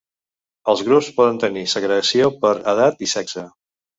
Els grups poden tenir segregació per edat i sexe.